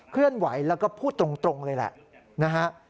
เคลื่อนไหวแล้วก็พูดตรงเลยแหละนะฮะ